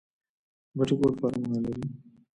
بټي کوټ فارمونه لري؟